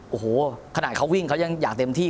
โอ้โหขนาดเขาวิ่งเขายังอยากเต็มที่